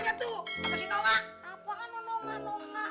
jadi saya ke tempat